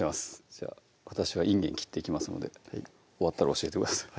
じゃあ私はいんげん切っていきますので終わったら教えてください